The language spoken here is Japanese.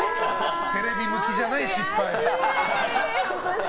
テレビ向きじゃない失敗。